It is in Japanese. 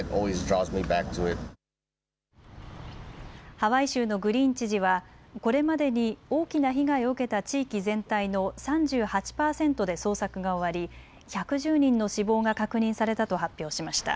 ハワイ州のグリーン知事はこれまでに大きな被害を受けた地域全体の３８％で捜索が終わり１１０人の死亡が確認されたと発表しました。